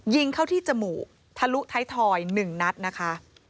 ยิงเข้าที่จมูกทะลุท้ายทอย๑นัดนะคะ